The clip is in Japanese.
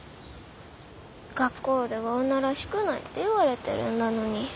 学校では女らしくないって言われてるんだのに。